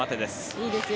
いいですよ。